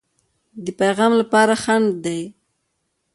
د پیغام لپاره خنډ دی.